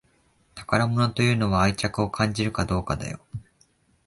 宝物というのは愛着を感じるかどうかだよ